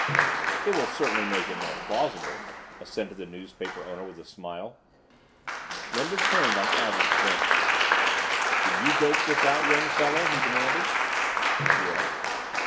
"It will certainly make it more plausible," assented the newspaper owner with a smile. Linder turned on Average Jones. "Did you dope this out, young fellow?" he demanded. "Yes."